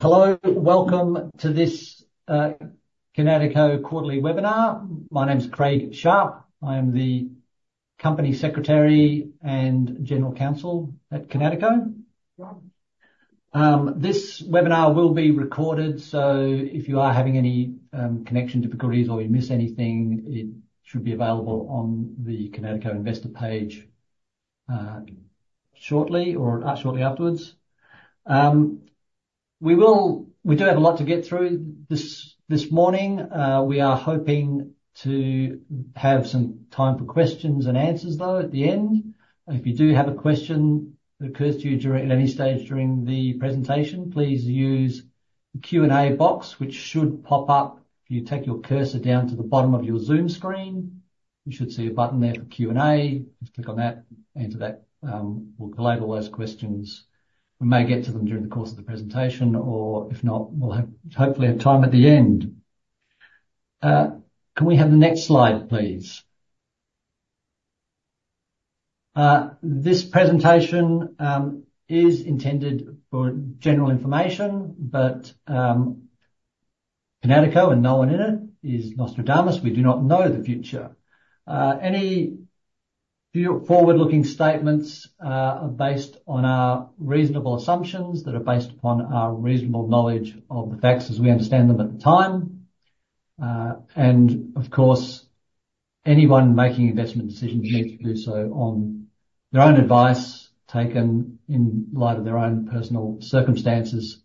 Hello, welcome to this Kinatico quarterly webinar. My name is Craig Sharp. I am the Company Secretary and General Counsel at Kinatico. This webinar will be recorded, so if you are having any connection difficulties or you miss anything, it should be available on the Kinatico investor page shortly or shortly afterwards. We do have a lot to get through this morning. We are hoping to have some time for questions-and-answers, though, at the end. If you do have a question that occurs to you at any stage during the presentation, please use the Q&A box, which should pop up. If you take your cursor down to the bottom of your Zoom screen, you should see a button there for Q&A. Just click on that and enter that. We'll collate all those questions. We may get to them during the course of the presentation, or if not, we'll hopefully have time at the end. Can we have the next slide, please? This presentation is intended for general information, but Kinatico and no one in it is Nostradamus. We do not know the future. Any forward-looking statements are based on our reasonable assumptions that are based upon our reasonable knowledge of the facts as we understand them at the time. Of course, anyone making investment decisions needs to do so on their own advice, taken in light of their own personal circumstances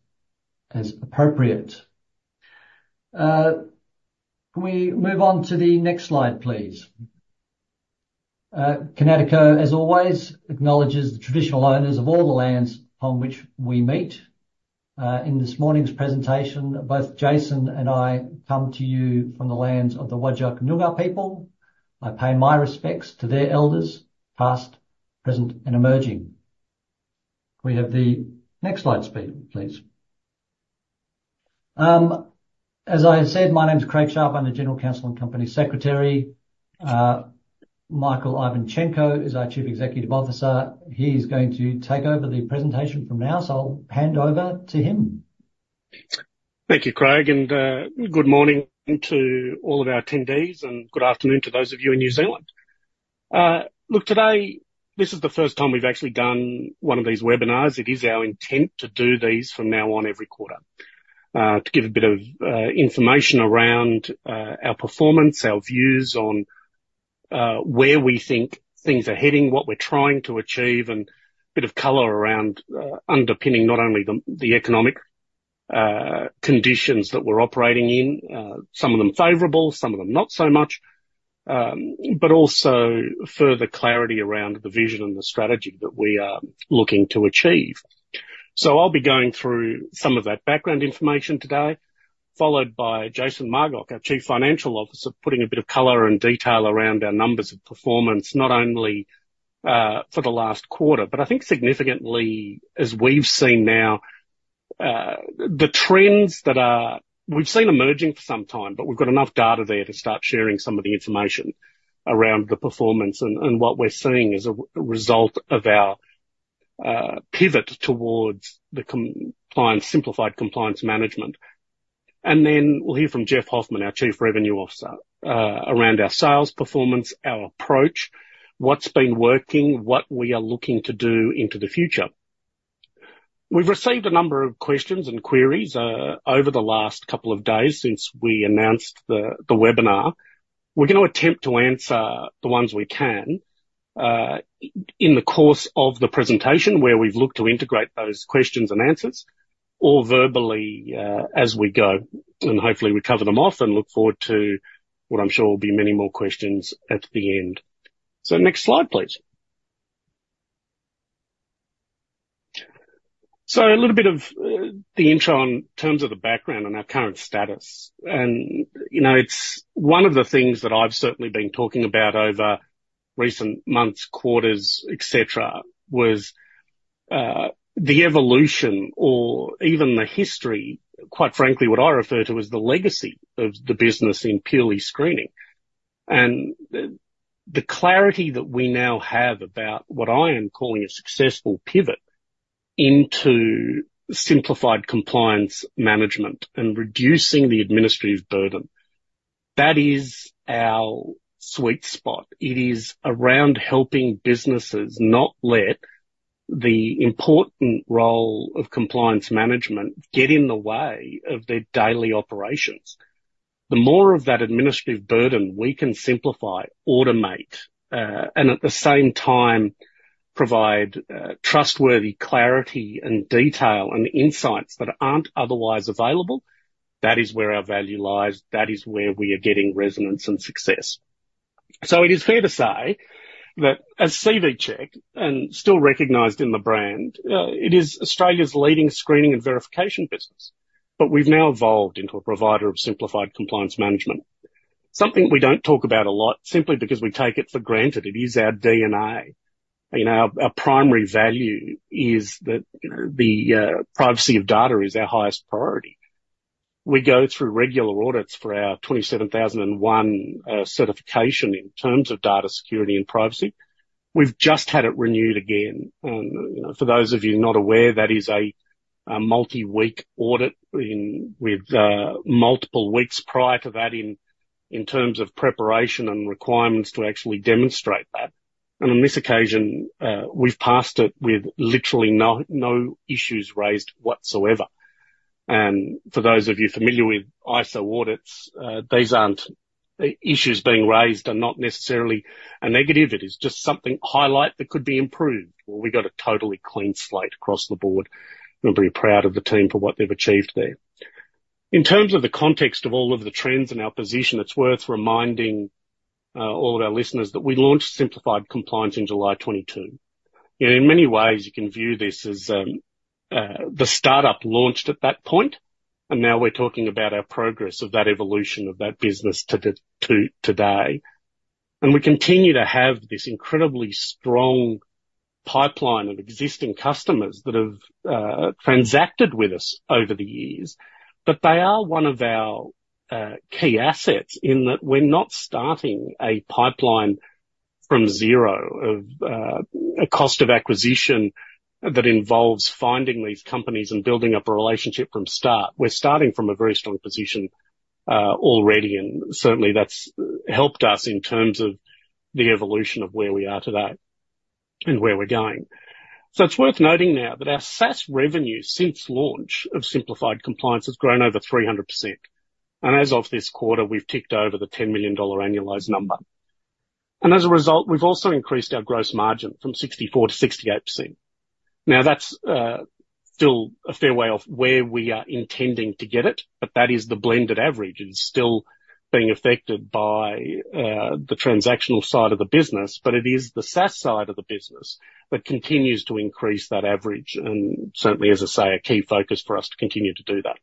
as appropriate. Can we move on to the next slide, please? Kinatico, as always, acknowledges the traditional owners of all the lands upon which we meet. In this morning's presentation, both Jason and I come to you from the lands of the Wagyl Noongar people. I pay my respects to their elders, past, present, and emerging. Can we have the next slide, please? As I said, my name is Craig Sharp. I'm the General Counsel and Company Secretary. Michael Ivanchenko is our Chief Executive Officer. He's going to take over the presentation from now, so I'll hand over to him. Thank you, Craig, and good morning to all of our attendees, and good afternoon to those of you in New Zealand. Look, today, this is the first time we've actually done one of these webinars. It is our intent to do these from now on every quarter, to give a bit of information around our performance, our views on where we think things are heading, what we're trying to achieve, and a bit of color around underpinning not only the economic conditions that we're operating in, some of them favorable, some of them not so much, but also further clarity around the vision and the strategy that we are looking to achieve. I'll be going through some of that background information today, followed by Jason Margach, our Chief Financial Officer, putting a bit of color and detail around our numbers of performance, not only for the last quarter, but I think significantly, as we've seen now, the trends that we've seen emerging for some time, but we've got enough data there to start sharing some of the information around the performance and what we're seeing as a result of our pivot towards the simplified compliance management. Then we'll hear from Geoff Hoffman, our Chief Revenue Officer, around our sales performance, our approach, what's been working, what we are looking to do into the future. We've received a number of questions and queries over the last couple of days since we announced the webinar. We're going to attempt to answer the ones we can in the course of the presentation where we've looked to integrate those questions-and-answers, all verbally as we go, and hopefully we cover them off and look forward to what I'm sure will be many more questions at the end. Next slide, please. A little bit of the intro in terms of the background and our current status. It's one of the things that I've certainly been talking about over recent months, quarters, etc., was the evolution or even the history, quite frankly, what I refer to as the legacy of the business in purely screening. The clarity that we now have about what I am calling a successful pivot into simplified compliance management and reducing the administrative burden, that is our sweet spot. It is around helping businesses not let the important role of compliance management get in the way of their daily operations. The more of that administrative burden we can simplify, automate, and at the same time provide trustworthy clarity and detail and insights that are not otherwise available, that is where our value lies. That is where we are getting resonance and success. It is fair to say that as CV Check, and still recognized in the brand, it is Australia's leading screening and verification business, but we have now evolved into a provider of simplified compliance management, something we do not talk about a lot simply because we take it for granted. It is our DNA. Our primary value is that the privacy of data is our highest priority. We go through regular audits for our ISO 27001 certification in terms of data security and privacy. We have just had it renewed again. For those of you not aware, that is a multi-week audit with multiple weeks prior to that in terms of preparation and requirements to actually demonstrate that. On this occasion, we've passed it with literally no issues raised whatsoever. For those of you familiar with ISO audits, these issues being raised are not necessarily a negative. It is just something to highlight that could be improved. We got a totally clean slate across the board. We're pretty proud of the team for what they've achieved there. In terms of the context of all of the trends in our position, it's worth reminding all of our listeners that we launched simplified compliance in July 2022. In many ways, you can view this as the startup launched at that point, and now we're talking about our progress of that evolution of that business to today. We continue to have this incredibly strong pipeline of existing customers that have transacted with us over the years, but they are one of our key assets in that we're not starting a pipeline from zero of a cost of acquisition that involves finding these companies and building up a relationship from start. We're starting from a very strong position already, and certainly that's helped us in terms of the evolution of where we are today and where we're going. It is worth noting now that our SaaS revenue since launch of simplified compliance has grown over 300%. As of this quarter, we've ticked over the 10 million dollar annualized number. As a result, we've also increased our gross margin from 64%-68%. That is still a fair way off where we are intending to get it, but that is the blended average. It is still being affected by the transactional side of the business, but it is the SaaS side of the business that continues to increase that average. Certainly, as I say, a key focus for us to continue to do that.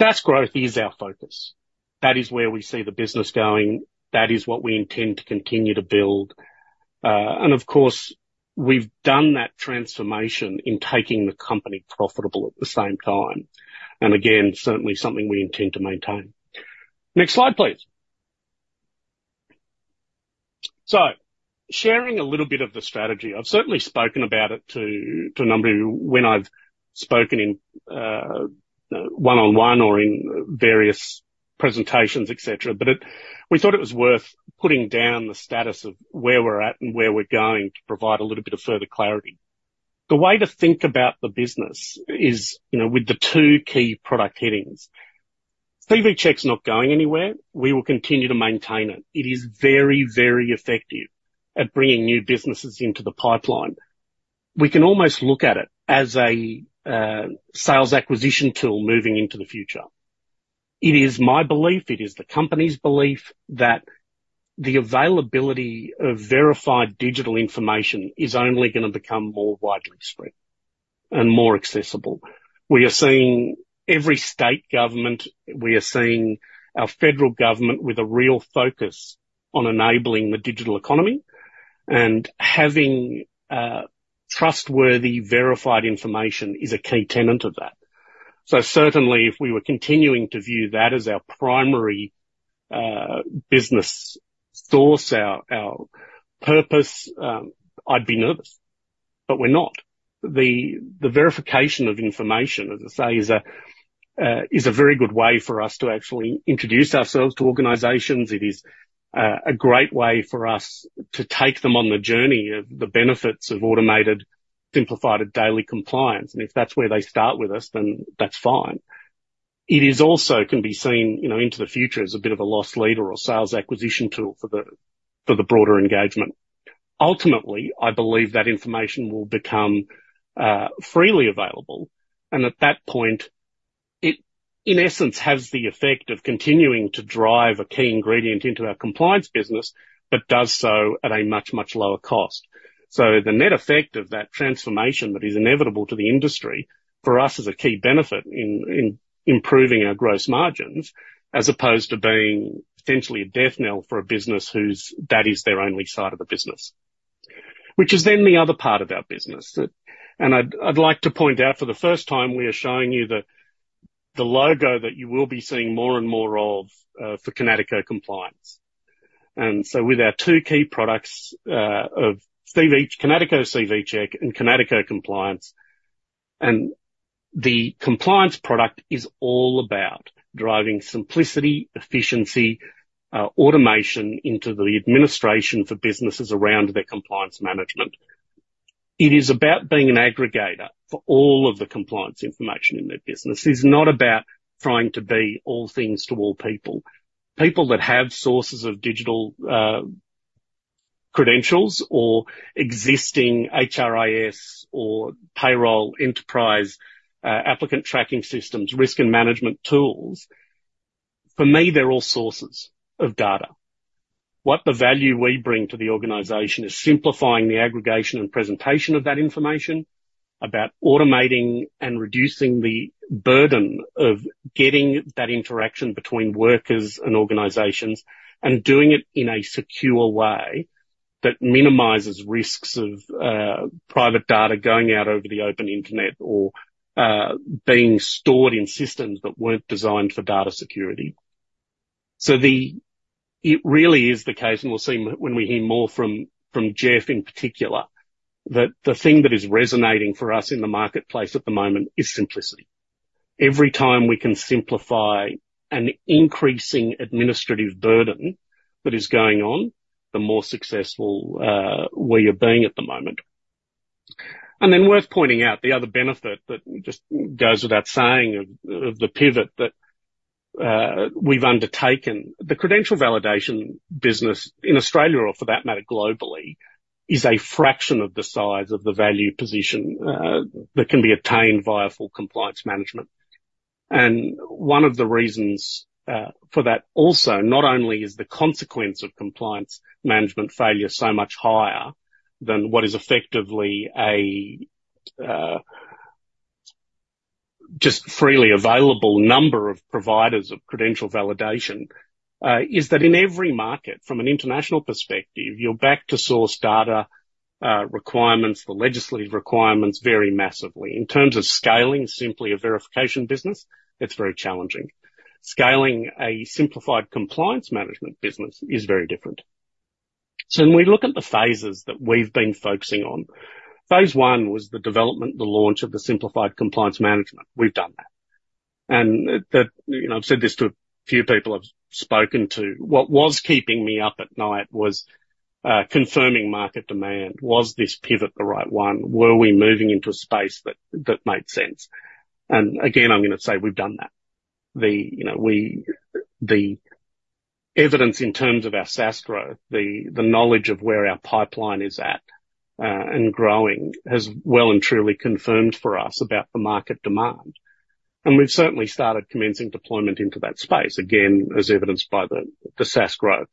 SaaS growth is our focus. That is where we see the business going. That is what we intend to continue to build. Of course, we have done that transformation in taking the company profitable at the same time. Again, certainly something we intend to maintain. Next slide, please. Sharing a little bit of the strategy. I have certainly spoken about it to a number of you when I have spoken in one-on-one or in various presentations, etc., but we thought it was worth putting down the status of where we are at and where we are going to provide a little bit of further clarity. The way to think about the business is with the two key product headings. PVCHECKs not going anywhere. We will continue to maintain it. It is very, very effective at bringing new businesses into the pipeline. We can almost look at it as a sales acquisition tool moving into the future. It is my belief, it is the company's belief that the availability of verified digital information is only going to become more widely spread and more accessible. We are seeing every state government, we are seeing our federal government with a real focus on enabling the digital economy, and having trustworthy verified information is a key tenet of that. Certainly, if we were continuing to view that as our primary business source, our purpose, I'd be nervous, but we're not. The verification of information, as I say, is a very good way for us to actually introduce ourselves to organizations. It is a great way for us to take them on the journey of the benefits of automated, simplified, and daily compliance. If that's where they start with us, then that's fine. It also can be seen into the future as a bit of a loss leader or sales acquisition tool for the broader engagement. Ultimately, I believe that information will become freely available, and at that point, it in essence has the effect of continuing to drive a key ingredient into our compliance business, but does so at a much, much lower cost. The net effect of that transformation that is inevitable to the industry for us is a key benefit in improving our gross margins as opposed to being essentially a death knell for a business whose that is their only side of the business, which is then the other part of our business. I would like to point out for the first time, we are showing you the logo that you will be seeing more and more of for Kinatico Compliance. With our two key products of Kinatico CVCheck and Kinatico Compliance, and the compliance product is all about driving simplicity, efficiency, automation into the administration for businesses around their compliance management. It is about being an aggregator for all of the compliance information in their business. It is not about trying to be all things to all people. People that have sources of digital credentials or existing HRIS or payroll enterprise applicant tracking systems, risk and management tools, for me, they're all sources of data. What the value we bring to the organization is simplifying the aggregation and presentation of that information, about automating and reducing the burden of getting that interaction between workers and organizations, and doing it in a secure way that minimizes risks of private data going out over the open internet or being stored in systems that were not designed for data security. It really is the case, and we will see when we hear more from Geoff in particular, that the thing that is resonating for us in the marketplace at the moment is simplicity. Every time we can simplify an increasing administrative burden that is going on, the more successful we are being at the moment. It is worth pointing out the other benefit that just goes without saying of the pivot that we have undertaken. The credential validation business in Australia, or for that matter, globally, is a fraction of the size of the value position that can be attained via full compliance management. One of the reasons for that also, not only is the consequence of compliance management failure so much higher than what is effectively a just freely available number of providers of credential validation, is that in every market, from an international perspective, your back-to-source data requirements, the legislative requirements, vary massively. In terms of scaling simply a verification business, it is very challenging. Scaling a simplified compliance management business is very different. When we look at the phases that we have been focusing on, phase 1 was the development, the launch of the simplified compliance management. We have done that. I've said this to a few people I've spoken to. What was keeping me up at night was confirming market demand. Was this pivot the right one? Were we moving into a space that made sense? Again, I'm going to say we've done that. The evidence in terms of our SaaS growth, the knowledge of where our pipeline is at and growing, has well and truly confirmed for us about the market demand. We've certainly started commencing deployment into that space, again, as evidenced by the SaaS growth.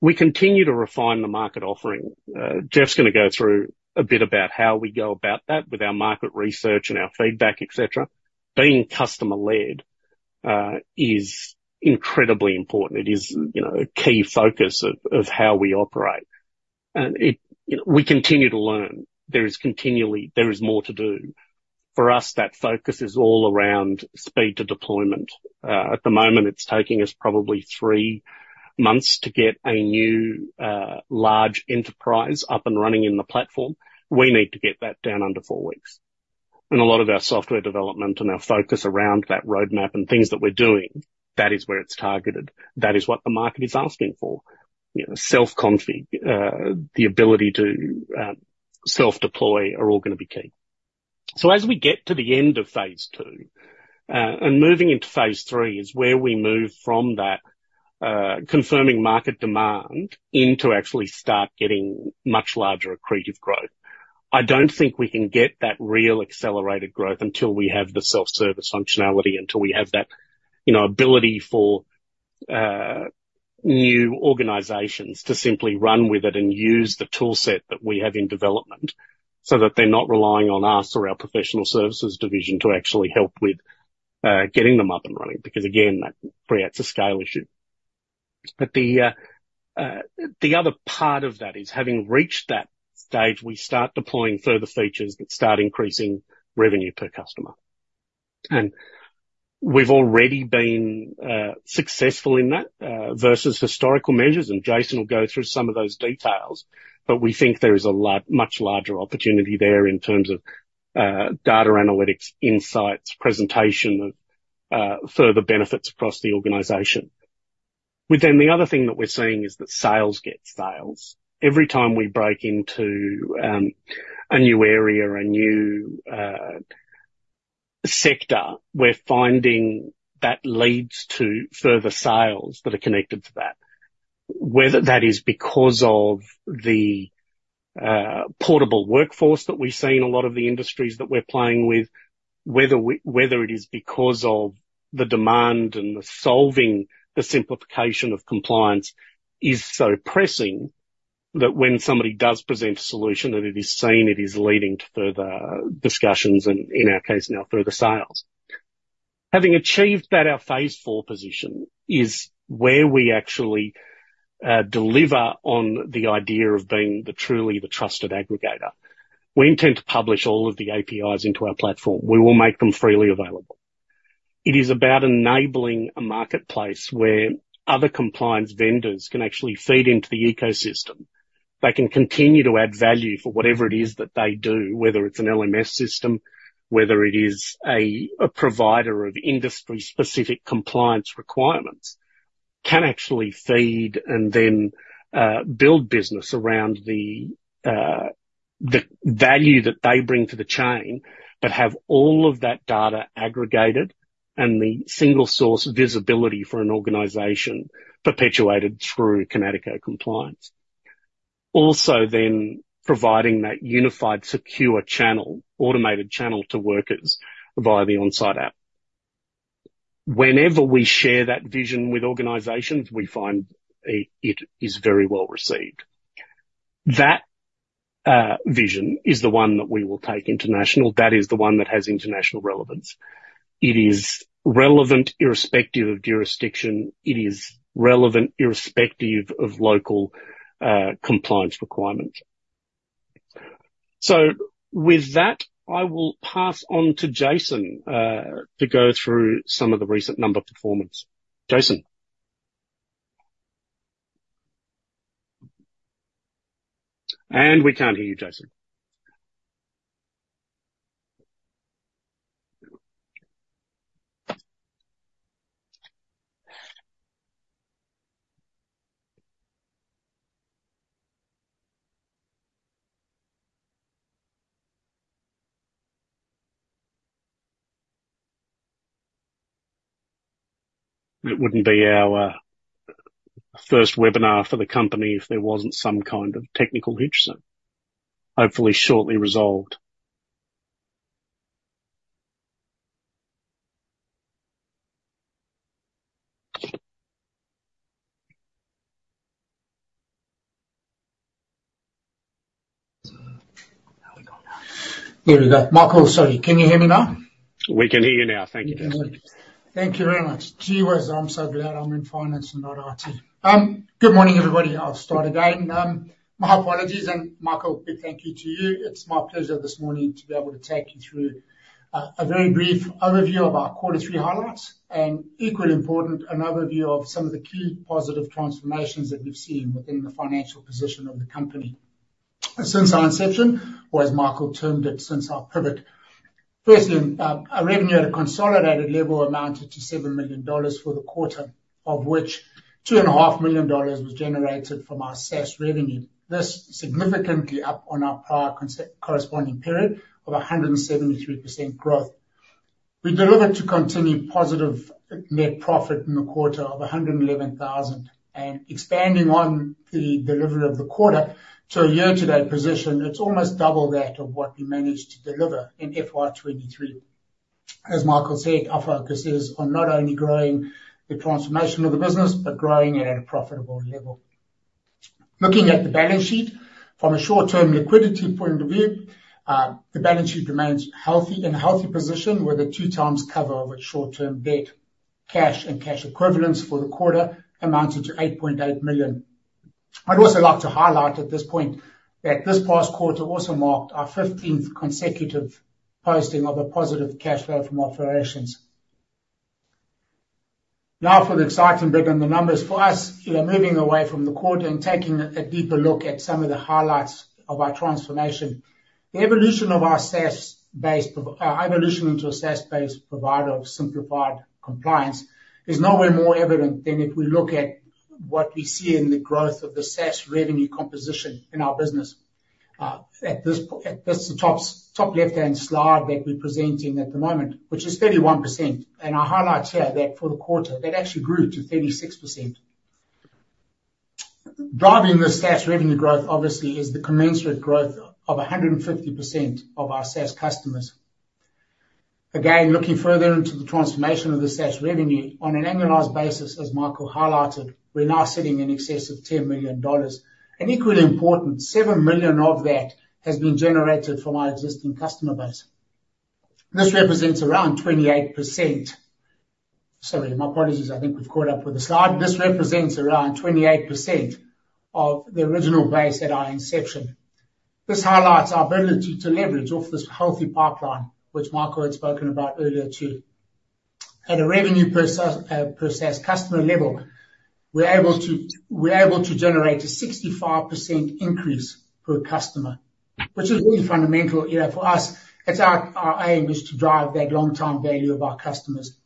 We continue to refine the market offering. Geoff's going to go through a bit about how we go about that with our market research and our feedback, etc. Being customer-led is incredibly important. It is a key focus of how we operate. We continue to learn. There is continually more to do. For us, that focus is all around speed to deployment. At the moment, it's taking us probably three months to get a new large enterprise up and running in the platform. We need to get that down under four weeks. A lot of our software development and our focus around that roadmap and things that we're doing, that is where it's targeted. That is what the market is asking for. Self-config, the ability to self-deploy are all going to be key. As we get to the end of phase 2, and moving into phase 3 is where we move from that confirming market demand into actually start getting much larger accretive growth. I don't think we can get that real accelerated growth until we have the self-service functionality, until we have that ability for new organizations to simply run with it and use the toolset that we have in development so that they're not relying on us or our professional services division to actually help with getting them up and running because, again, that creates a scale issue. The other part of that is having reached that stage, we start deploying further features that start increasing revenue per customer. We've already been successful in that versus historical measures, and Jason will go through some of those details, but we think there is a much larger opportunity there in terms of data analytics, insights, presentation of further benefits across the organization. The other thing that we're seeing is that sales get sales. Every time we break into a new area, a new sector, we're finding that leads to further sales that are connected to that. Whether that is because of the portable workforce that we've seen in a lot of the industries that we're playing with, whether it is because of the demand and the solving the simplification of compliance is so pressing that when somebody does present a solution, that it is seen it is leading to further discussions and, in our case, now further sales. Having achieved that, our phase 4 position is where we actually deliver on the idea of being truly the trusted aggregator. We intend to publish all of the APIs into our platform. We will make them freely available. It is about enabling a marketplace where other compliance vendors can actually feed into the ecosystem. They can continue to add value for whatever it is that they do, whether it's an LMS system, whether it is a provider of industry-specific compliance requirements, can actually feed and then build business around the value that they bring to the chain, but have all of that data aggregated and the single source visibility for an organization perpetuated through Kinatico Compliance. Also then providing that unified secure channel, automated channel to workers via the on-site app. Whenever we share that vision with organizations, we find it is very well received. That vision is the one that we will take international. That is the one that has international relevance. It is relevant irrespective of jurisdiction. It is relevant irrespective of local compliance requirements. With that, I will pass on to Jason to go through some of the recent number performance. Jason. And we can't hear you, Jason. It wouldn't be our first webinar for the company if there wasn't some kind of technical hitch then. Hopefully shortly resolved. There we go. Michael, sorry, can you hear me now? We can hear you now. Thank you. Thank you very much. Gee whiz, I'm so glad I'm in finance and not IT. Good morning, everybody. I'll start again. My apologies and Michael, big thank you to you. It's my pleasure this morning to be able to take you through a very brief overview of our quarter three highlights and, equally important, an overview of some of the key positive transformations that we've seen within the financial position of the company. Since our inception, or as Michael termed it, since our pivot, firstly, our revenue at a consolidated level amounted to 7 million dollars for the quarter, of which 2.5 million dollars was generated from our SaaS revenue. This is significantly up on our prior corresponding period of 173% growth. We delivered to continue positive net profit in the quarter of 111,000 and expanding on the delivery of the quarter to a year-to-date position, it's almost double that of what we managed to deliver in FY 2023. As Michael said, our focus is on not only growing the transformation of the business, but growing it at a profitable level. Looking at the balance sheet, from a short-term liquidity point of view, the balance sheet remains in a healthy position with a 2x cover of its short-term debt. Cash and cash equivalents for the quarter amounted to 8.8 million. I'd also like to highlight at this point that this past quarter also marked our 15th consecutive posting of a positive cash flow from operations. Now for the exciting bit in the numbers. For us, moving away from the quarter and taking a deeper look at some of the highlights of our transformation, the evolution of our SaaS-based evolution into a SaaS-based provider of simplified compliance is nowhere more evident than if we look at what we see in the growth of the SaaS revenue composition in our business. At this top left-hand slide that we're presenting at the moment, which is 31%, and I highlight here that for the quarter, that actually grew to 36%. Driving the SaaS revenue growth, obviously, is the commensurate growth of 150% of our SaaS customers. Again, looking further into the transformation of the SaaS revenue on an annualized basis, as Michael highlighted, we're now sitting in excess of $10 million. And equally important, 7 million of that has been generated from our existing customer base. This represents around 28%. Sorry, my apologies. I think we've caught up with the slide. This represents around 28% of the original base at our inception. This highlights our ability to leverage off this healthy pipeline, which Michael had spoken about earlier too. At a revenue per SaaS customer level, we're able to generate a 65% increase per customer, which is really fundamental for us. It's our aim is to drive that long-term value of our customers.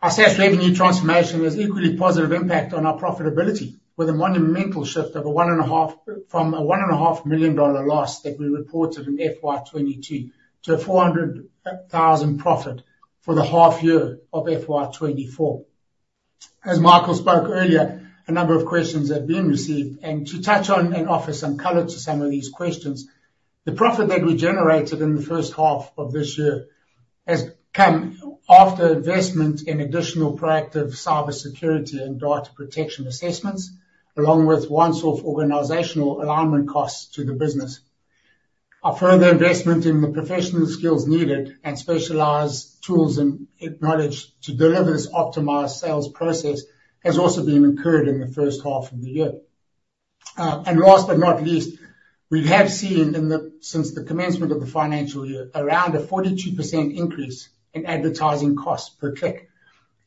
Our SaaS revenue transformation has equally positive impact on our profitability, with a monumental shift of a one and a half from a 1.5 million dollar loss that we reported in FY 2022 to a 400,000 profit for the half year of FY 2024. As Michael spoke earlier, a number of questions have been received. To touch on and offer some color to some of these questions, the profit that we generated in the first half of this year has come after investment in additional proactive cybersecurity and data protection assessments, along with one source organizational alignment costs to the business. Our further investment in the professional skills needed and specialized tools and knowledge to deliver this optimized sales process has also been incurred in the first half of the year. Last but not least, we have seen since the commencement of the financial year, around a 42% increase in advertising costs per click,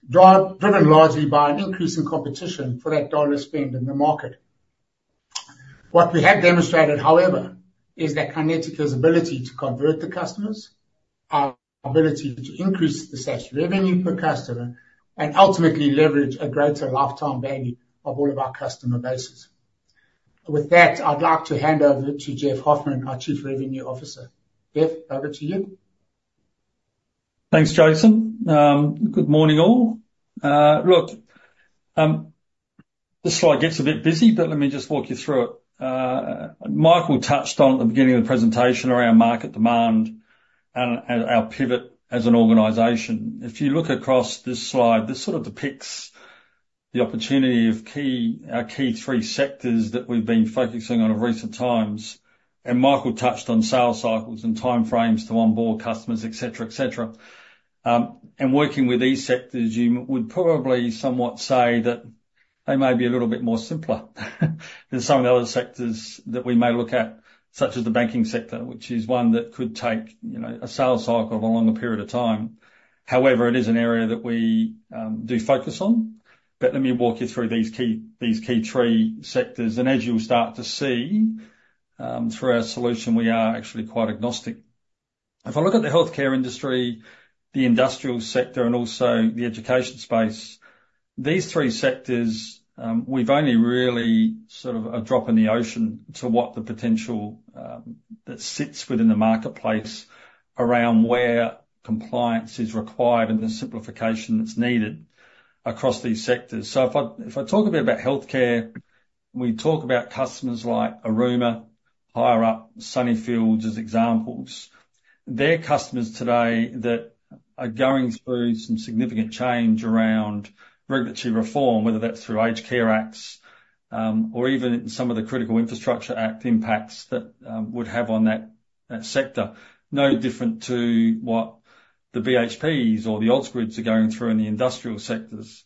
driven largely by an increase in competition for that dollar spend in the market. What we have demonstrated, however, is that Kinatico's ability to convert the customers, our ability to increase the SaaS revenue per customer, and ultimately leverage a greater lifetime value of all of our customer bases. With that, I'd like to hand over to Geoff Hoffman, our Chief Revenue Officer. Geoff, over to you. Thanks, Jason. Good morning, all. Look, this slide gets a bit busy, but let me just walk you through it. Michael touched on at the beginning of the presentation around market demand and our pivot as an organization. If you look across this slide, this sort of depicts the opportunity of our key three sectors that we've been focusing on in recent times. Michael touched on sales cycles and timeframes to onboard customers, etc., etc. Working with these sectors, you would probably somewhat say that they may be a little bit more simpler than some of the other sectors that we may look at, such as the banking sector, which is one that could take a sales cycle of a longer period of time. However, it is an area that we do focus on. Let me walk you through these key three sectors. As you'll start to see through our solution, we are actually quite agnostic. If I look at the healthcare industry, the industrial sector, and also the education space, these three sectors, we've only really sort of a drop in the ocean to what the potential that sits within the marketplace around where compliance is required and the simplification that's needed across these sectors. If I talk a bit about healthcare, we talk about customers like Aruma, Hireup, Sunnyfield as examples. They're customers today that are going through some significant change around regulatory reform, whether that's through Aged Care Acts or even in some of the Critical Infrastructure Act impacts that would have on that sector. No different to what the BHPs or the odds grids are going through in the industrial sectors.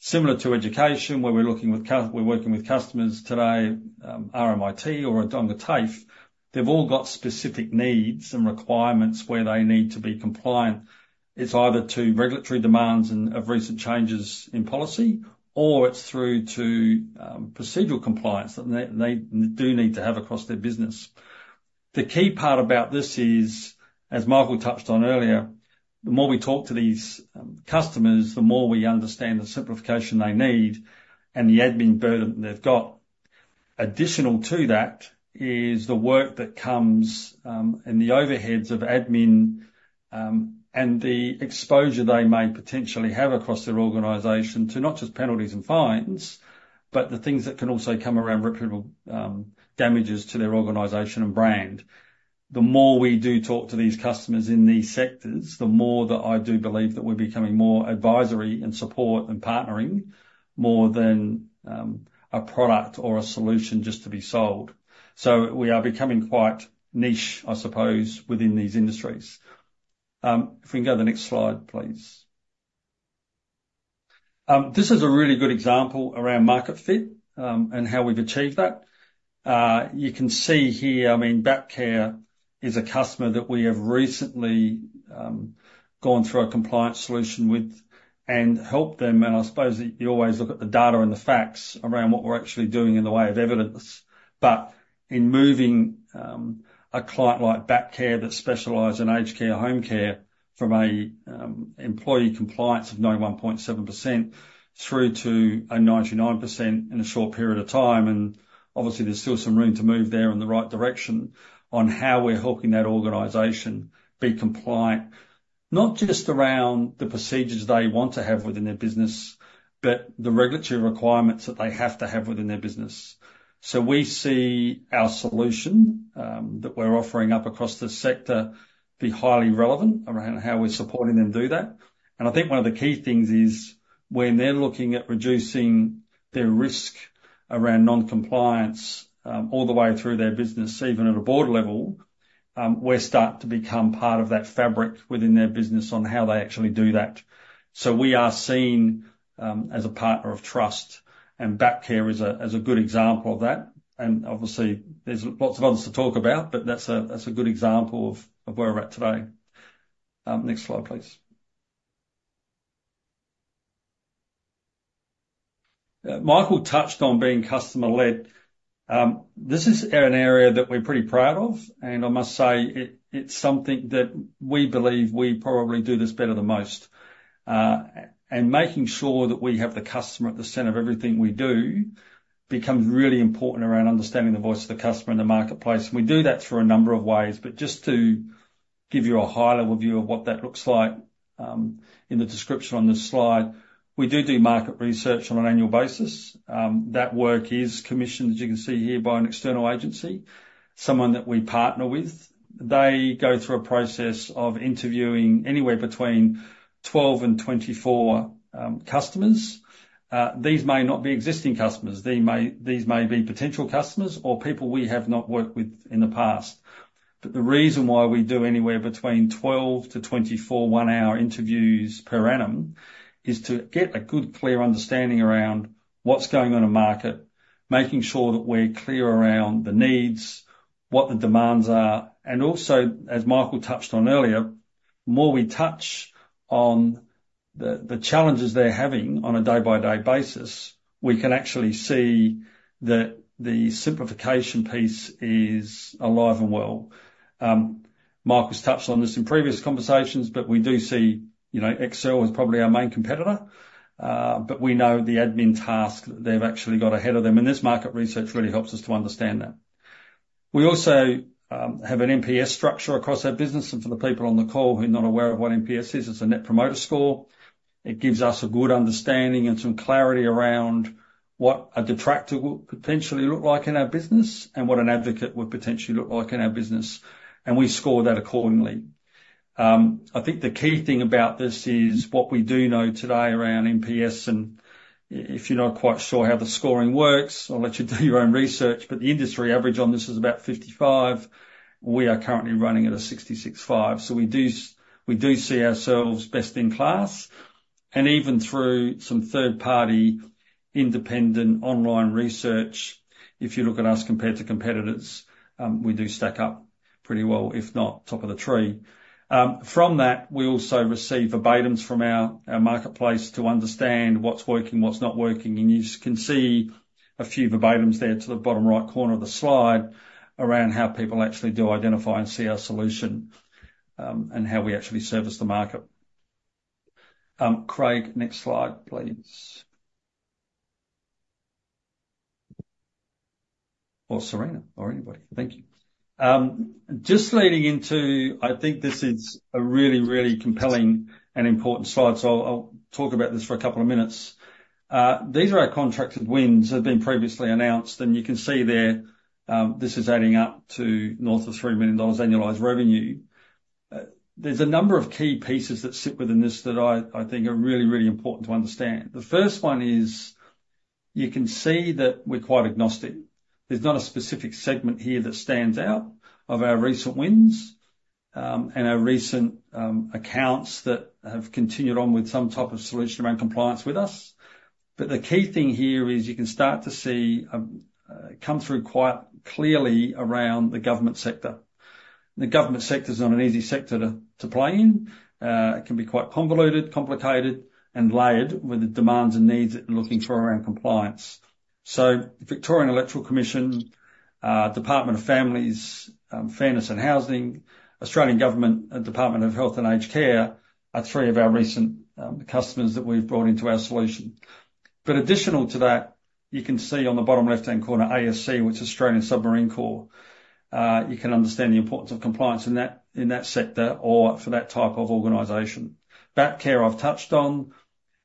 Similar to education, where we're working with customers today, RMIT or Wodonga TAFE, they've all got specific needs and requirements where they need to be compliant. It's either to regulatory demands and of recent changes in policy, or it's through to procedural compliance that they do need to have across their business. The key part about this is, as Michael touched on earlier, the more we talk to these customers, the more we understand the simplification they need and the admin burden they've got. Additional to that is the work that comes in the overheads of admin and the exposure they may potentially have across their organization to not just penalties and fines, but the things that can also come around reputable damages to their organization and brand. The more we do talk to these customers in these sectors, the more that I do believe that we're becoming more advisory and support and partnering more than a product or a solution just to be sold. We are becoming quite niche, I suppose, within these industries. If we can go to the next slide, please. This is a really good example around market fit and how we've achieved that. You can see here, I mean, Batcare is a customer that we have recently gone through a compliance solution with and helped them. I suppose you always look at the data and the facts around what we're actually doing in the way of evidence. In moving a client like Batcare that specialized in aged care home care from an employee compliance of 1.7% through to 99% in a short period of time. Obviously, there's still some room to move there in the right direction on how we're helping that organization be compliant, not just around the procedures they want to have within their business, but the regulatory requirements that they have to have within their business. We see our solution that we're offering up across the sector be highly relevant around how we're supporting them do that. I think one of the key things is when they're looking at reducing their risk around non-compliance all the way through their business, even at a board level, we're starting to become part of that fabric within their business on how they actually do that. We are seen as a partner of trust, and Batcare is a good example of that. Obviously, there's lots of others to talk about, but that's a good example of where we're at today. Next slide, please. Michael touched on being customer-led. This is an area that we're pretty proud of, and I must say it's something that we believe we probably do this better than most. Making sure that we have the customer at the center of everything we do becomes really important around understanding the voice of the customer in the marketplace. We do that through a number of ways, but just to give you a high-level view of what that looks like in the description on this slide, we do market research on an annual basis. That work is commissioned, as you can see here, by an external agency, someone that we partner with. They go through a process of interviewing anywhere between 12 and 24 customers. These may not be existing customers. These may be potential customers or people we have not worked with in the past. The reason why we do anywhere between 12-24 one-hour interviews per annum is to get a good, clear understanding around what's going on in the market, making sure that we're clear around the needs, what the demands are. Also, as Michael touched on earlier, the more we touch on the challenges they're having on a day-by-day basis, we can actually see that the simplification piece is alive and well. Michael's touched on this in previous conversations, but we do see Excel is probably our main competitor, but we know the admin task that they've actually got ahead of them. This market research really helps us to understand that. We also have an NPS structure across our business. For the people on the call who are not aware of what NPS is, it's a Net Promoter Score. It gives us a good understanding and some clarity around what a detractor would potentially look like in our business and what an advocate would potentially look like in our business. We score that accordingly. I think the key thing about this is what we do know today around NPS. If you're not quite sure how the scoring works, I'll let you do your own research. The industry average on this is about 55%. We are currently running at 66.5%. We do see ourselves best in class. Even through some third-party independent online research, if you look at us compared to competitors, we do stack up pretty well, if not top of the tree. From that, we also receive verbatims from our marketplace to understand what's working, what's not working. You can see a few verbatims there to the bottom right corner of the slide around how people actually do identify and see our solution and how we actually service the market. Craig, next slide, please. [Or Serena or anybody]. Thank you. Just leading into, I think this is a really, really compelling and important slide. I will talk about this for a couple of minutes. These are our contracted wins that have been previously announced. You can see there, this is adding up to north of 3 million dollars annualized revenue. There are a number of key pieces that sit within this that I think are really, really important to understand. The first one is you can see that we are quite agnostic. There's not a specific segment here that stands out of our recent wins and our recent accounts that have continued on with some type of solution around compliance with us. The key thing here is you can start to see come through quite clearly around the government sector. The government sector is not an easy sector to play in. It can be quite convoluted, complicated, and layered with the demands and needs that we're looking for around compliance. The Victorian Electoral Commission, Department of Families, Fairness and Housing, Australian Government, Department of Health and Aged Care are three of our recent customers that we've brought into our solution. Additional to that, you can see on the bottom left-hand corner ASC, which is Australian Submarine Corporation. You can understand the importance of compliance in that sector or for that type of organization. Batcare I've touched on.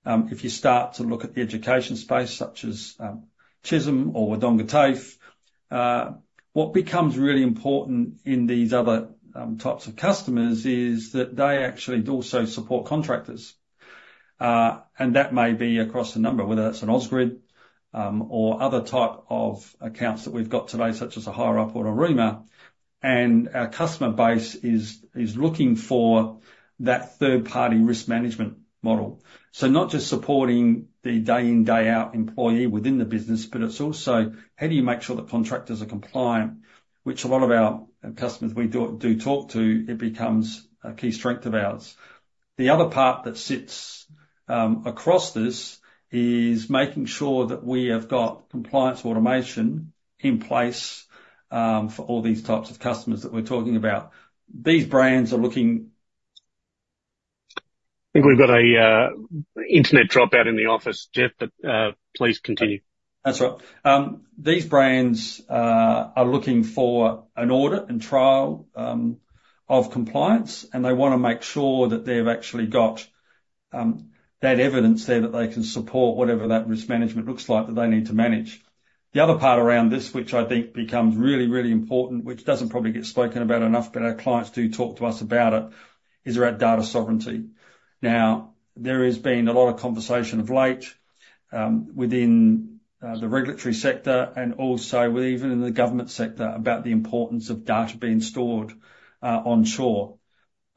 If you start to look at the education space, such as Chisholm or Wodonga TAFE, what becomes really important in these other types of customers is that they actually also support contractors. That may be across a number, whether that's an odds grid or other type of accounts that we've got today, such as Hireup or Aruma. Our customer base is looking for that third-party risk management model. Not just supporting the day-in-day-out employee within the business, but it's also how do you make sure the contractors are compliant, which a lot of our customers we do talk to, it becomes a key strength of ours. The other part that sits across this is making sure that we have got compliance automation in place for all these types of customers that we're talking about. These brands are looking—I think we've got an internet dropout in the office, Geoff, but please continue. That's all right. These brands are looking for an audit and trial of compliance, and they want to make sure that they've actually got that evidence there that they can support whatever that risk management looks like that they need to manage. The other part around this, which I think becomes really, really important, which doesn't probably get spoken about enough, but our clients do talk to us about it, is around data sovereignty. Now, there has been a lot of conversation of late within the regulatory sector and also even in the government sector about the importance of data being stored onshore.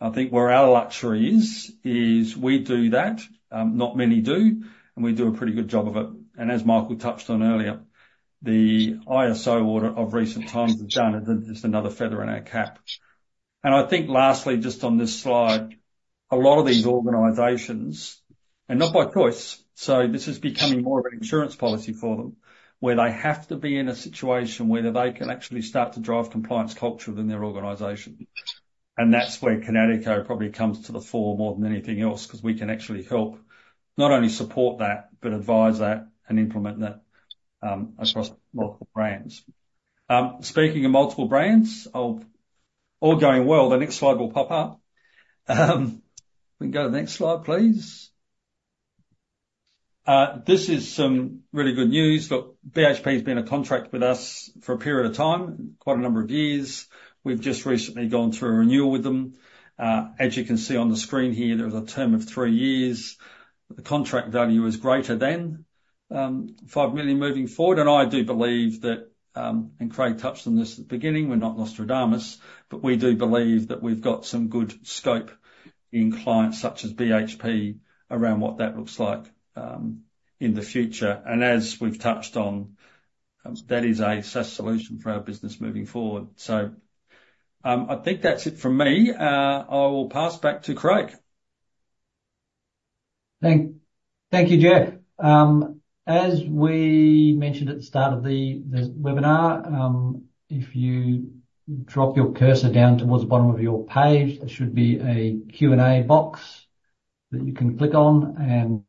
I think where our luxury is, is we do that. Not many do, and we do a pretty good job of it. As Michael touched on earlier, the ISO order of recent times has done is just another feather in our cap. Lastly, just on this slide, a lot of these organizations, and not by choice, this is becoming more of an insurance policy for them, where they have to be in a situation where they can actually start to drive compliance culture within their organization. That is where Kinatico probably comes to the fore more than anything else because we can actually help not only support that, but advise that and implement that across multiple brands. Speaking of multiple brands, all going well, the next slide will pop up. We can go to the next slide, please. This is some really good news. Look, BHP has been a contract with us for a period of time, quite a number of years. We've just recently gone through a renewal with them. As you can see on the screen here, there was a term of three years. The contract value is greater than 5 million moving forward. I do believe that, and Craig touched on this at the beginning, we're not Nostradamus, but we do believe that we've got some good scope in clients such as BHP around what that looks like in the future. As we've touched on, that is a SaaS solution for our business moving forward. I think that's it from me. I will pass back to Craig. Thank you, Geoff. As we mentioned at the start of the webinar, if you drop your cursor down towards the bottom of your page, there should be a Q&A box that you can click on and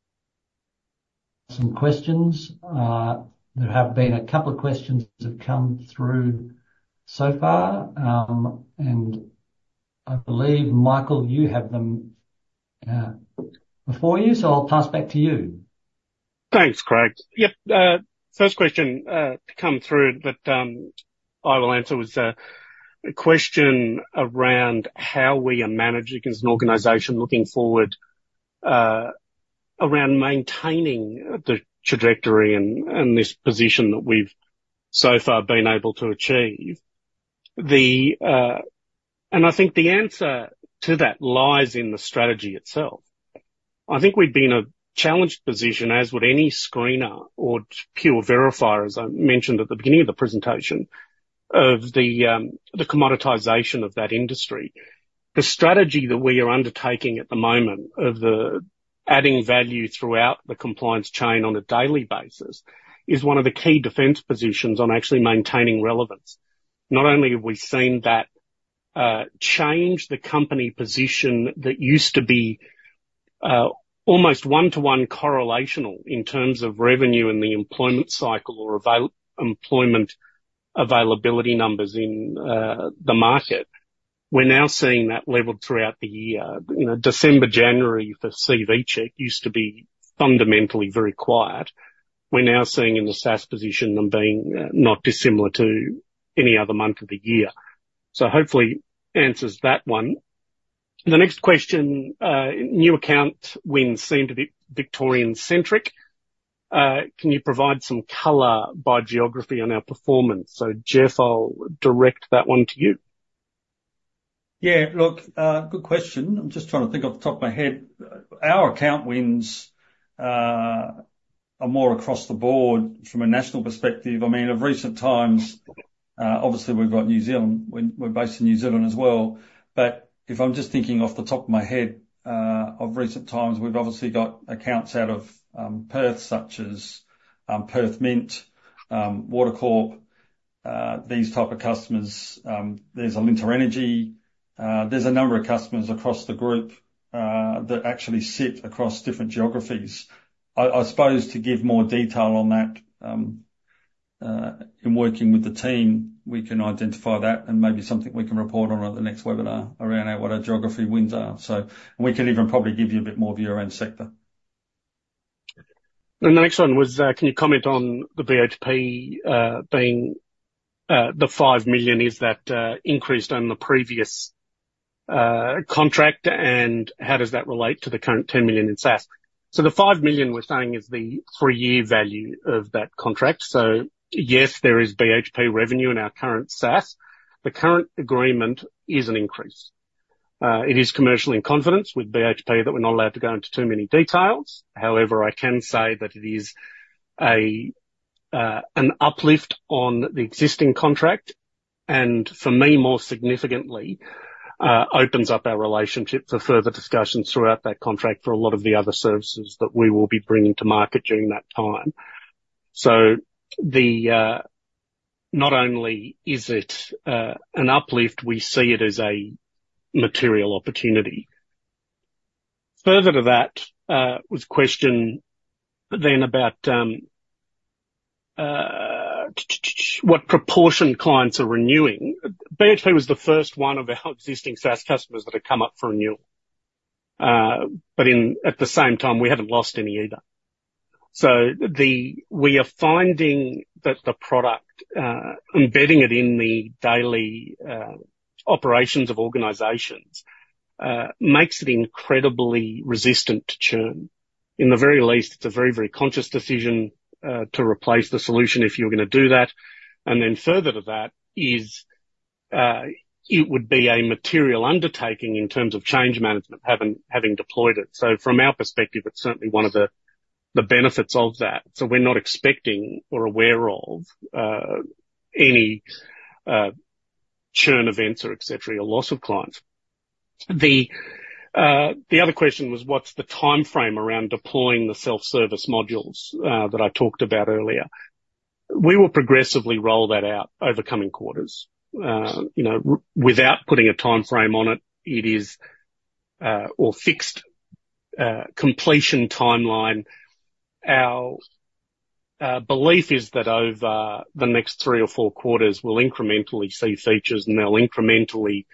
some questions. There have been a couple of questions that have come through so far. I believe, Michael, you have them before you, so I'll pass back to you. Thanks, Craig. Yep. First question to come through, but I will answer, was a question around how we are managing as an organization looking forward around maintaining the trajectory and this position that we've so far been able to achieve. I think the answer to that lies in the strategy itself. I think we've been a challenged position, as would any screener or key verifier, as I mentioned at the beginning of the presentation, of the commoditization of that industry. The strategy that we are undertaking at the moment of adding value throughout the compliance chain on a daily basis is one of the key defense positions on actually maintaining relevance. Not only have we seen that change the company position that used to be almost one-to-one correlational in terms of revenue and the employment cycle or employment availability numbers in the market, we're now seeing that level throughout the year. December, January for CVCheck used to be fundamentally very quiet. We're now seeing in the SaaS position them being not dissimilar to any other month of the year. Hopefully, answers that one. The next question, new account wins seem to be Victorian-centric. Can you provide some color by geography on our performance? Geoff, I'll direct that one to you. Yeah, good question. I'm just trying to think off the top of my head. Our account wins are more across the board from a national perspective. I mean, of recent times, obviously, we've got New Zealand. We're based in New Zealand as well. If I'm just thinking off the top of my head, of recent times, we've obviously got accounts out of Perth, such as Perth Mint, Water Corp, these types of customers. There's a Linton Energy. There's a number of customers across the group that actually sit across different geographies. I suppose to give more detail on that, in working with the team, we can identify that and maybe something we can report on at the next webinar around what our geography wins are. We can even probably give you a bit more view around the sector. The next one was, can you comment on the BHP being the 5 million? Is that increased on the previous contract? How does that relate to the current 10 million in SaaS? The 5 million we're saying is the three-year value of that contract. Yes, there is BHP revenue in our current SaaS. The current agreement is an increase. It is commercial in confidence with BHP that we're not allowed to go into too many details. However, I can say that it is an uplift on the existing contract. For me, more significantly, it opens up our relationship for further discussions throughout that contract for a lot of the other services that we will be bringing to market during that time. Not only is it an uplift, we see it as a material opportunity. Further to that was a question then about what proportion clients are renewing. BHP was the first one of our existing SaaS customers that had come up for renewal. At the same time, we haven't lost any either. We are finding that the product, embedding it in the daily operations of organizations, makes it incredibly resistant to churn. In the very least, it's a very, very conscious decision to replace the solution if you're going to do that. Further to that, it would be a material undertaking in terms of change management, having deployed it. From our perspective, it's certainly one of the benefits of that. We are not expecting or aware of any churn events or loss of clients. The other question was, what's the timeframe around deploying the self-service modules that I talked about earlier? We will progressively roll that out over coming quarters. Without putting a timeframe on it, it is a fixed completion timeline. Our belief is that over the next three or four quarters, we'll incrementally see features, and they'll incrementally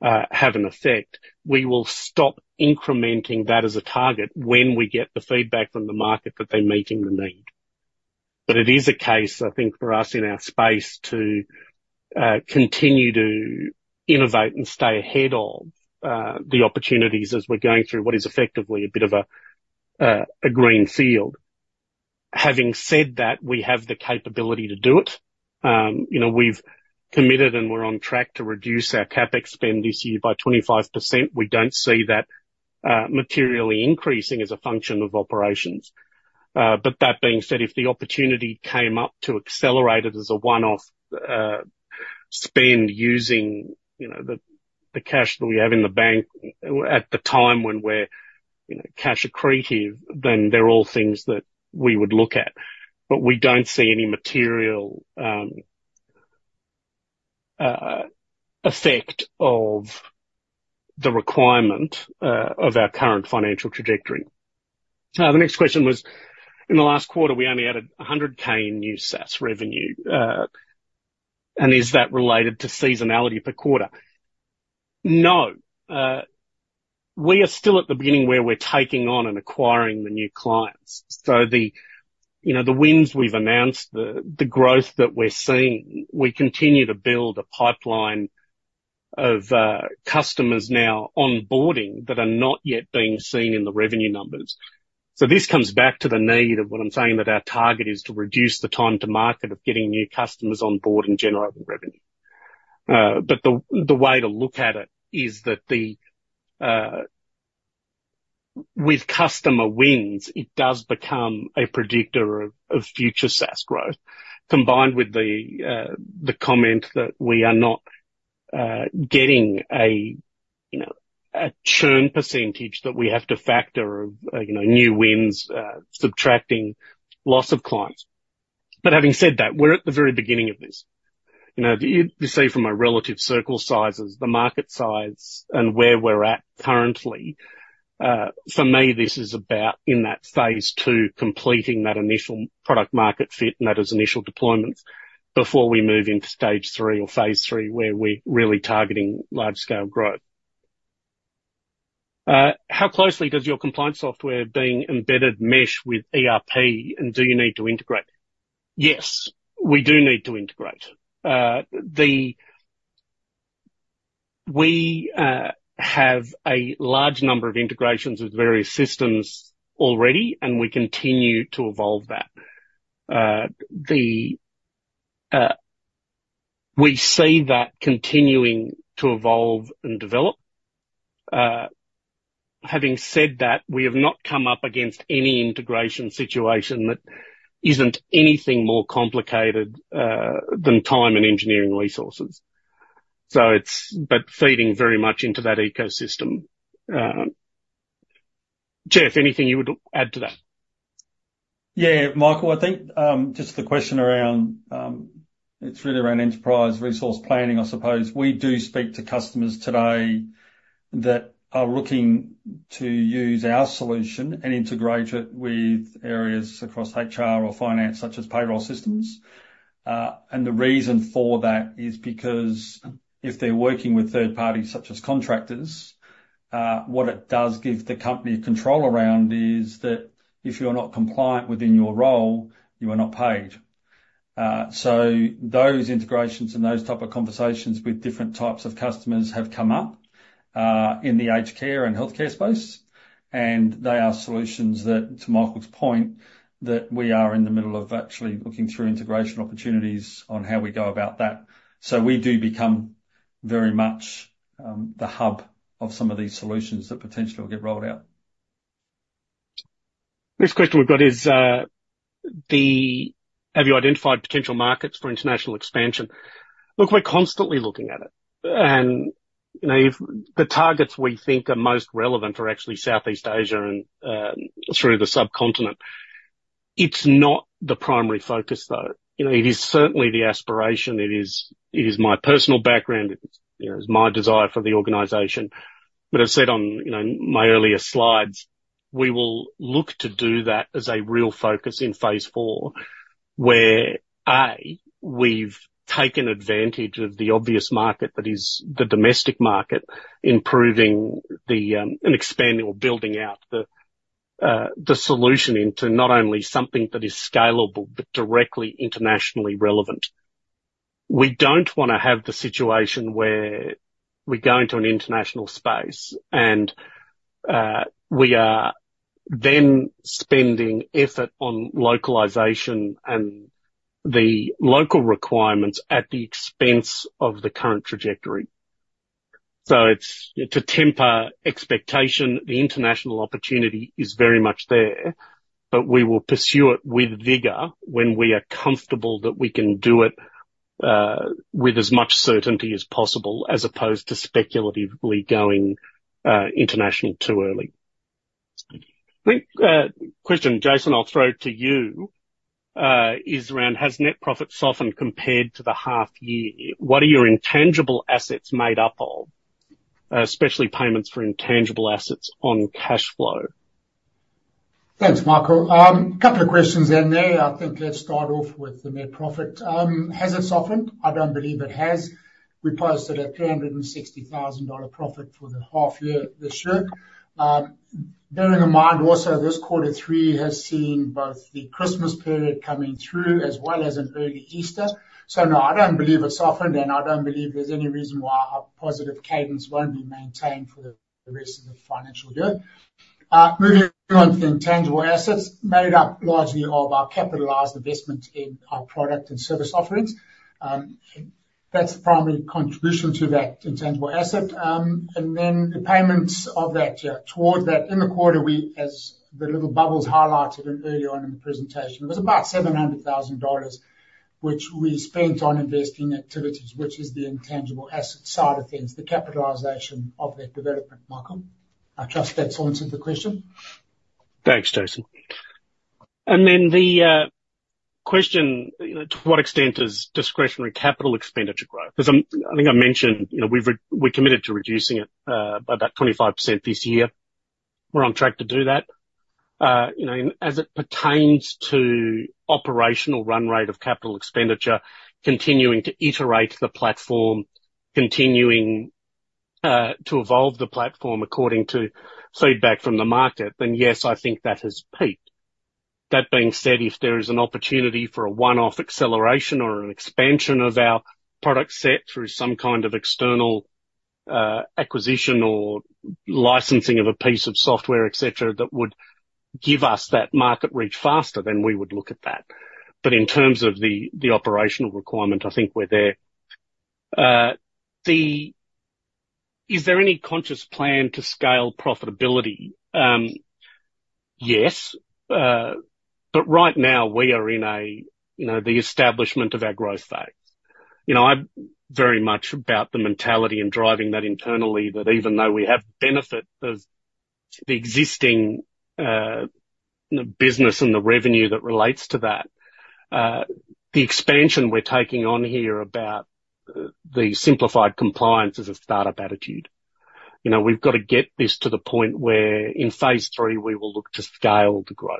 have an effect. We will stop incrementing that as a target when we get the feedback from the market that they're meeting the need. It is a case, I think, for us in our space to continue to innovate and stay ahead of the opportunities as we're going through what is effectively a bit of a green field. Having said that, we have the capability to do it. We've committed, and we're on track to reduce our CapEx spend this year by 25%. We don't see that materially increasing as a function of operations. That being said, if the opportunity came up to accelerate it as a one-off spend using the cash that we have in the bank at the time when we're cash accretive, then they're all things that we would look at. We don't see any material effect of the requirement of our current financial trajectory. The next question was, in the last quarter, we only added 100,000 new SaaS revenue. Is that related to seasonality per quarter? No. We are still at the beginning where we're taking on and acquiring the new clients. The wins we've announced, the growth that we're seeing, we continue to build a pipeline of customers now onboarding that are not yet being seen in the revenue numbers. This comes back to the need of what I'm saying, that our target is to reduce the time to market of getting new customers onboard and generating revenue. The way to look at it is that with customer wins, it does become a predictor of future SaaS growth, combined with the comment that we are not getting a churn percentage that we have to factor of new wins subtracting loss of clients. Having said that, we're at the very beginning of this. You see from our relative circle sizes, the market size, and where we're at currently, for me, this is about in that phase 2, completing that initial product-market fit and those initial deployments before we move into stage three or phase 3, where we're really targeting large-scale growth. How closely does your compliance software being embedded mesh with ERP, and do you need to integrate? Yes, we do need to integrate. We have a large number of integrations with various systems already, and we continue to evolve that. We see that continuing to evolve and develop. Having said that, we have not come up against any integration situation that is anything more complicated than time and engineering resources. Feeding very much into that ecosystem. Geoff, anything you would add to that? Yeah, Michael, I think just the question around, it's really around enterprise resource planning, I suppose. We do speak to customers today that are looking to use our solution and integrate it with areas across HR or finance, such as payroll systems. The reason for that is because if they're working with third parties, such as contractors, what it does give the company control around is that if you're not compliant within your role, you are not paid. Those integrations and those types of conversations with different types of customers have come up in the aged care and healthcare space. They are solutions that, to Michael's point, we are in the middle of actually looking through integration opportunities on how we go about that. We do become very much the hub of some of these solutions that potentially will get rolled out. Next question we've got is, have you identified potential markets for international expansion? Look, we're constantly looking at it. The targets we think are most relevant are actually Southeast Asia and through the subcontinent. It's not the primary focus, though. It is certainly the aspiration. It is my personal background. It is my desire for the organization. As said on my earlier slides, we will look to do that as a real focus in phase 4, where, A, we've taken advantage of the obvious market that is the domestic market, improving and expanding or building out the solution into not only something that is scalable, but directly internationally relevant. We don't want to have the situation where we go into an international space and we are then spending effort on localization and the local requirements at the expense of the current trajectory. To temper expectation, the international opportunity is very much there, but we will pursue it with vigor when we are comfortable that we can do it with as much certainty as possible, as opposed to speculatively going international too early. Question, Jason, I'll throw to you, is around, has net profit softened compared to the half year? What are your intangible assets made up of, especially payments for intangible assets on cash flow? Thanks, Michael. A couple of questions in there. I think let's start off with the net profit. Has it softened? I don't believe it has. We posted a 360,000 dollar profit for the half year this year. Bearing in mind also this quarter three has seen both the Christmas period coming through as well as in early Easter. No, I do not believe it has softened, and I do not believe there is any reason why our positive cadence will not be maintained for the rest of the financial year. Moving on to intangible assets, made up largely of our capitalized investment in our product and service offerings. That is the primary contribution to that intangible asset. The payments towards that in the quarter, as the little bubbles highlighted earlier on in the presentation, was about 700,000 dollars, which we spent on investing activities, which is the intangible asset side of things, the capitalization of that development, Michael. I guess that has answered the question. Thanks, Jason. The question, to what extent is discretionary capital expenditure growth? Because I think I mentioned we are committed to reducing it by about 25% this year. We are on track to do that. As it pertains to operational run rate of capital expenditure, continuing to iterate the platform, continuing to evolve the platform according to feedback from the market, then yes, I think that has peaked. That being said, if there is an opportunity for a one-off acceleration or an expansion of our product set through some kind of external acquisition or licensing of a piece of software, etc., that would give us that market reach faster, we would look at that. In terms of the operational requirement, I think we're there. Is there any conscious plan to scale profitability? Yes. Right now, we are in the establishment of our growth phase. I'm very much about the mentality and driving that internally, that even though we have benefit of the existing business and the revenue that relates to that, the expansion we're taking on here about the simplified compliance is a startup attitude. We've got to get this to the point where in phase 3, we will look to scale to grow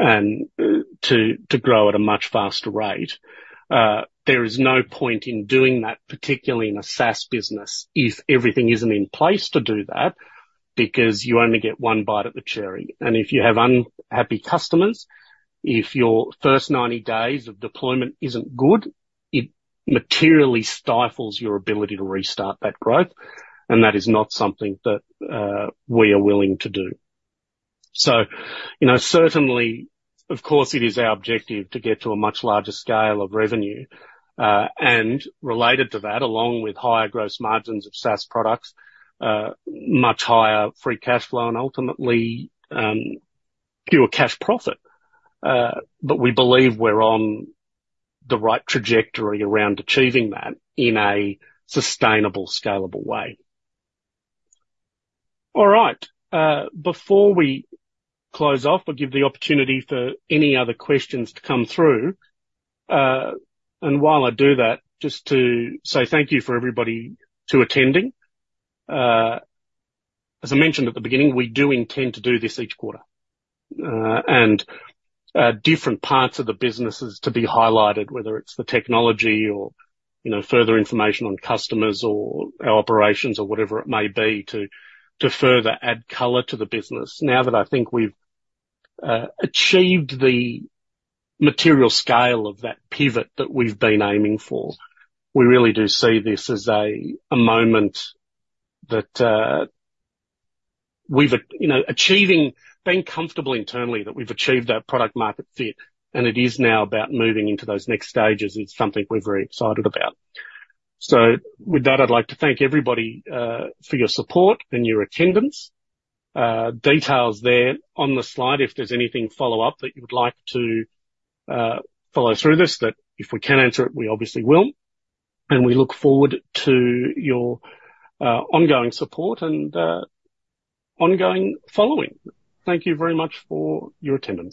and to grow at a much faster rate. There is no point in doing that, particularly in a SaaS business, if everything isn't in place to do that, because you only get one bite at the cherry. If you have unhappy customers, if your first 90 days of deployment isn't good, it materially stifles your ability to restart that growth. That is not something that we are willing to do. Certainly, of course, it is our objective to get to a much larger scale of revenue. Related to that, along with higher gross margins of SaaS products, much higher free cash flow, and ultimately fewer cash profit. We believe we're on the right trajectory around achieving that in a sustainable, scalable way. All right. Before we close off, I'll give the opportunity for any other questions to come through. While I do that, just to say thank you for everybody attending. As I mentioned at the beginning, we do intend to do this each quarter. Different parts of the businesses to be highlighted, whether it's the technology or further information on customers or our operations or whatever it may be to further add color to the business. Now that I think we've achieved the material scale of that pivot that we've been aiming for, we really do see this as a moment that we've achieved, being comfortable internally, that we've achieved that product-market fit. It is now about moving into those next stages. It's something we're very excited about. With that, I'd like to thank everybody for your support and your attendance. Details there on the slide. If there's anything follow-up that you would like to follow through this, that if we can answer it, we obviously will. We look forward to your ongoing support and ongoing following. Thank you very much for your attendance.